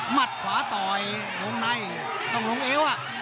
มัดขวาต่อยวงในต้องลงเอว